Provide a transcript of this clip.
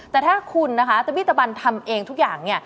แต่ถ้าคุณนะคะตระบิตบันทำเองทุกอย่าง